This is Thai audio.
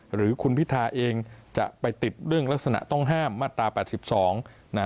หรือคุณพิทาเองจะไปติดเรื่องลักษณะต้องห้ามมาตรา๘๒นะ